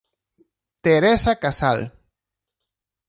Teresa Casal